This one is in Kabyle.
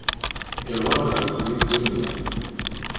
Iṛwa amerret di ddunit.